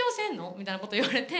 みたいなこと言われて。